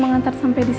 mama berasa parah